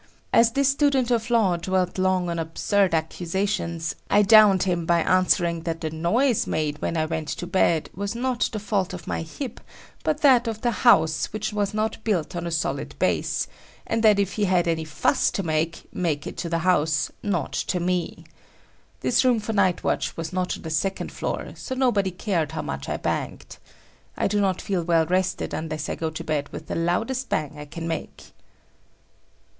As this student of law dwelt long on absurd accusations, I downed him by answering that the noise made when I went to bed was not the fault of my hip, but that of the house which was not built on a solid base, and that if he had any fuss to make, make it to the house, not to me. This room for night watch was not on the second floor, so nobody cared how much I banged. I do not feel well rested unless I go to bed with the loudest bang I can make.